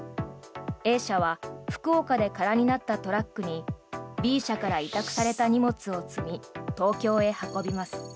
Ａ社は福岡で空になったトラックにＢ社から委託された荷物を積み東京へ運びます。